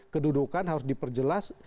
kedudukan harus diperjelas